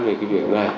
về cái việc này